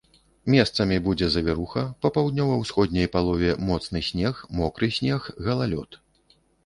Месцамі будзе завіруха, па паўднёва-ўсходняй палове моцны снег, мокры снег, галалёд.